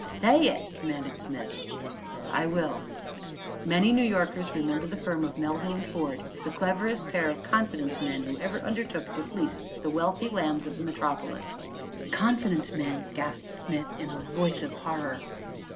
"Say it!" commanded Smith. "I will. Many New Yorkers remember the firm of Melville & Ford, the cleverest pair of confidence men who ever undertook to fleece the wealthy lambs of the metropolis." "Confidence men!" gasped Smith, in a voice of horror.